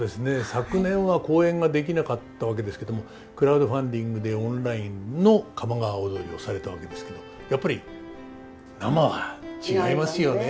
昨年は公演ができなかったわけですけどもクラウドファンディングでオンラインの「鴨川をどり」をされたわけですけどやっぱり生は違いますよね。